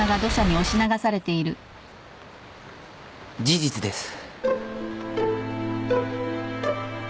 事実です。